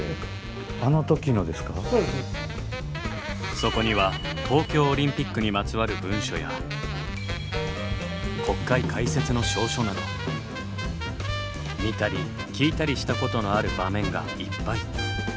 そこには東京オリンピックにまつわる文書や国会開設の詔書など見たり聞いたりしたことのある場面がいっぱい。